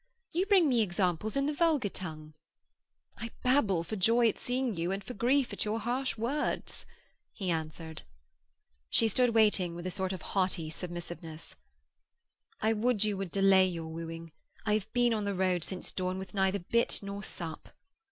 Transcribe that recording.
'You bring me examples in the vulgar tongue!' 'I babble for joy at seeing you and for grief at your harsh words,' he answered. She stood waiting with a sort of haughty submissiveness. 'I would you would delay your wooing. I have been on the road since dawn with neither bit nor sup.'